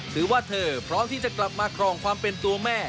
เธอพร้อมที่จะกลับมาครองความเป็นตัวแม่